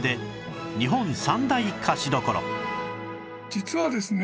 実はですね